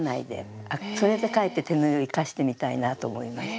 あそれでかえって手縫いを生かしてみたいなと思いました。